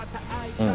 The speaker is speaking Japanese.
うん。